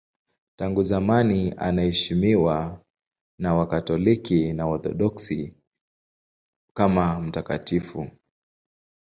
Tangu zamani anaheshimiwa na Wakatoliki na Waorthodoksi kama mtakatifu.